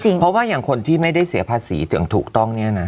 เพราะว่าอย่างคนที่ไม่ได้เสียภาษีถือกถูกต้อง